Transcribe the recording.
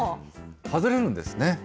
外れるんですね。